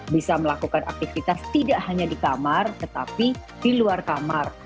bisa melakukan aktivitas tidak hanya di kamar tetapi di luar kamar